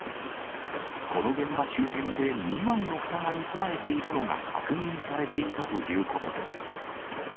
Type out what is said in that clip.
この現場周辺で２枚のふたが盗まれているのが確認されていたということです。